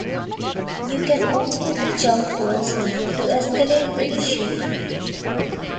You can also reach out to us to escalate the issue.